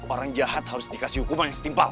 orang jahat harus dikasih hukuman yang setimpal